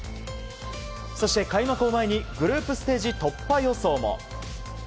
そして開幕を前にグループステージ突破予想も。